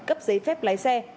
cấp giấy phép lái xe